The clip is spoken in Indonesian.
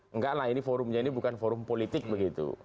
enggak lah ini forumnya ini bukan forum politik begitu